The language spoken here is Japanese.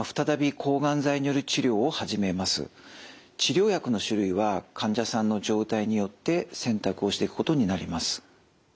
治療薬の種類は患者さんの状態によって選択をしていくことになります。